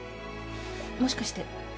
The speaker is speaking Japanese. もしかして。